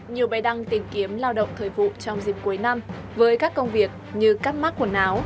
nhiều bài đăng tìm kiếm lao động thời vụ trong dịp cuối năm với các công việc như cắt mắt quần áo